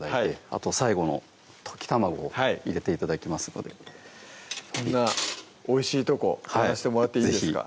あと最後の溶き卵を入れて頂きますのでそんなおいしいとこやらしてもらっていいですか？